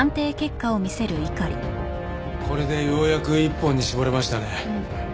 これでようやく一本に絞れましたね。